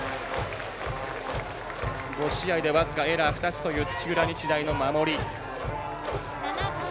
５試合で僅かエラー２つという土浦日大の守り。